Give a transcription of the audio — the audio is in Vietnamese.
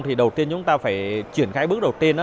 thì đầu tiên chúng ta phải triển khai bước đầu tiên